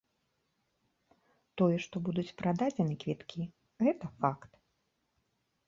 Тое, што будуць прададзены квіткі, гэта факт.